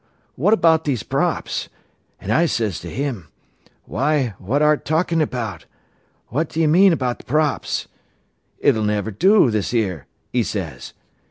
What about these props?' An' I says to him, 'Why, what art talkin' about? What d'st mean about th' props?' 'It'll never do, this 'ere,' 'e says.